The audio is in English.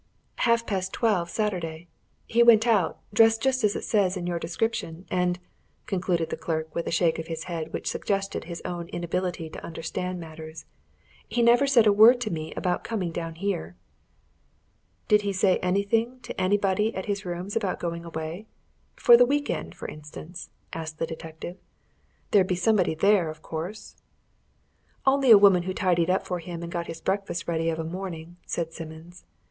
"Half past twelve Saturday. He went out dressed just as it says in your description. And," concluded the clerk, with a shake of his head which suggested his own inability to understand matters, "he never said a word to me about coming down here." "Did he say anything to anybody at his rooms about going away? for the week end, for instance?" asked the detective. "There'd be somebody there, of course." "Only a woman who tidied up for him and got his breakfast ready of a morning," said Simmons.